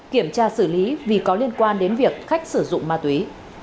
kiểm tra xử lý vì có liên quan đến việc khách sử dụng ma túy